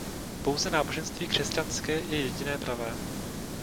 Pouze náboženství křesťanské je jediné pravé.